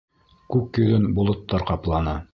Күк йөҙөн болоттар ҡапланы.